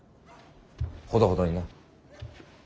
ほどほどにな。